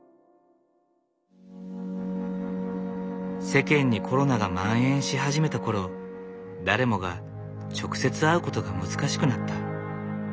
世間にコロナがまん延し始めたころ誰もが直接会うことが難しくなった。